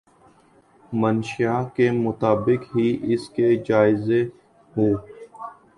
منشاء کے مطابق ہی اس کے جائزے ہوں۔